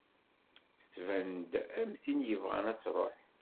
Tettban-d am tin yebɣan ad tṛuḥ.